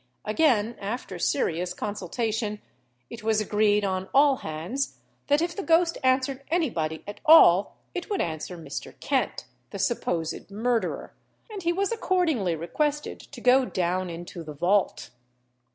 Again, after serious consultation, it was agreed on all hands that if the ghost answered any body at all, it would answer Mr. Kent, the supposed murderer; and he was accordingly requested to go down into the vault.